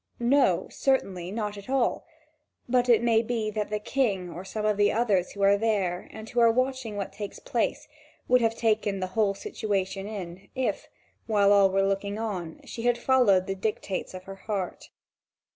No, certainly, not at all; but it may be that the King or some of the others who are there, and who are watching what takes place, would have taken the whole situation in, if, while all were looking on, she had followed the dictates of her heart.